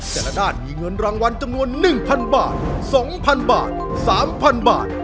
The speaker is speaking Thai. แต่ละด้านมีเงินรางวัลจำนวน๑๐๐บาท๒๐๐บาท๓๐๐บาท